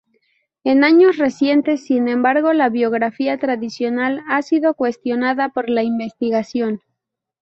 En años recientes, sin embargo, la biografía tradicional ha sido cuestionada por la investigación.